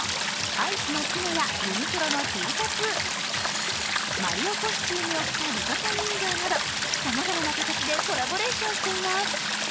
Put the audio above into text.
アイスのピノやユニクロのＴシャツマリオコスチュームを着たリカちゃん人形などさまざまな形でコラボレーションしています。